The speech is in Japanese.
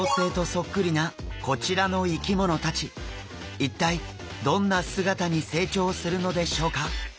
一体どんな姿に成長するのでしょうか？